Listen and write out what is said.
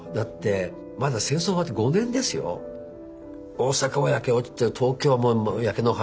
大阪は焼け落ちて東京も焼け野原